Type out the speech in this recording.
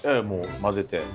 もう混ぜて。